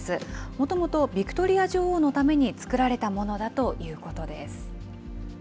もともとビクトリア女王のために作られたものだということです。